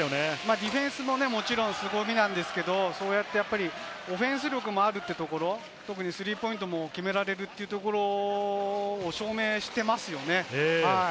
ディフェンスももちろんすごみなんですけど、オフェンス力もあるというところ、特にスリーポイントも決められるっていうところを証明していますよね。